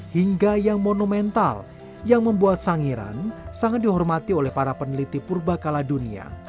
hingga yang monumental yang membuat sangiran sangat dihormati oleh para peneliti purba kala dunia